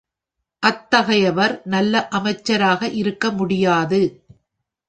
அத்தகையவர் நல்ல அமைச்சராக இருக்க முடியாது.